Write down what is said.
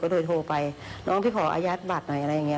ก็โดยโทรไปเถิ่งพี่ขออายัดบัตรหน่อยอะไรอย่างงี้